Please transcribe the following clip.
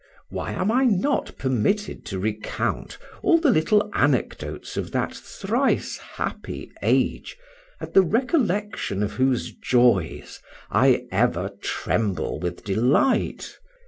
Why am I not permitted to recount all the little anecdotes of that thrice happy age, at the recollection of whose joys I ever tremble with delight?